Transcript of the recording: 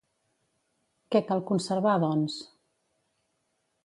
Què cal conservar, doncs?